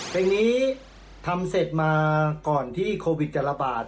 เพลงนี้ทำเสร็จมาก่อนที่โควิดจะระบาด